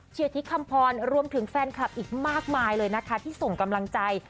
ที่คำพรรวมถึงแฟนคลับอีกมากมายเลยนะคะที่ส่งกำลังใจ